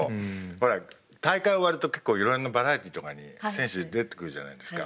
ほら大会終わると結構いろんなバラエティーとかに選手出てくるじゃないですか。